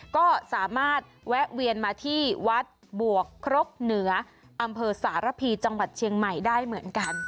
ก็สามารถแวะเวียนมาที่วัดบวกครกเหนืออำเภอสารพีจังหวัดเชียงใหม่ได้เหมือนกัน